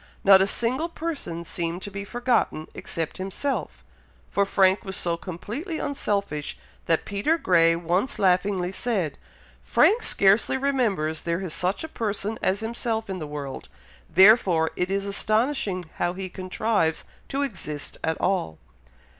Not a single person seemed to be forgotten except himself; for Frank was so completely unselfish, that Peter Grey once laughingly said, "Frank scarcely remembers there is such a person as himself in the world, therefore it is astonishing how he contrives to exist at all."